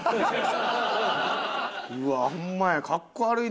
うわあホンマや。